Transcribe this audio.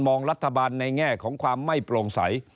รัฐบาลในแง่ของความไม่โปร่งใส